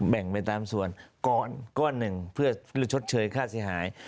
แบ่งไปตามส่วนก้อนหนึ่งเพื่อชดเชยค่าเสียหาย